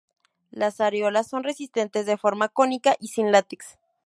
Las areolas son resistentes, de forma cónica y sin látex.